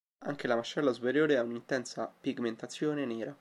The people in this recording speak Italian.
Anche la mascella superiore ha una intensa pigmentazione nera.